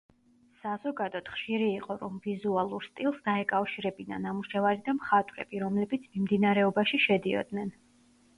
საზოგადოდ, ხშირი იყო, რომ ვიზუალურ სტილს დაეკავშირებინა ნამუშევარი და მხატვრები, რომლებიც მიმდინარეობაში შედიოდნენ.